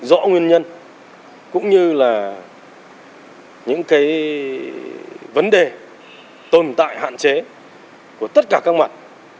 rõ nguyên nhân cũng như là những cái vấn đề tồn tại hạn chế của tất cả các mặt